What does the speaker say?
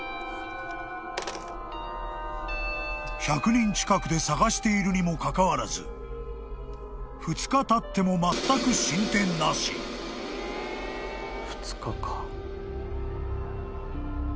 ［１００人近くで捜しているにもかかわらず２日たってもまったく］でも。